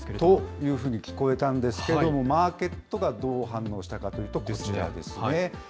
というふうに聞こえたんですけれども、マーケットがどう反応したかというと、こちらですね。